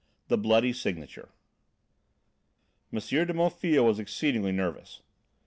X THE BLOODY SIGNATURE M. de Maufil was exceedingly nervous.